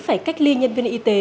phải cách ly nhân viên y tế